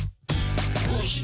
「どうして？